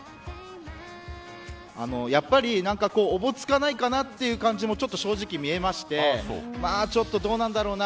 やっぱり、おぼつかないかなという感じも正直見えましてどうなんだろうな。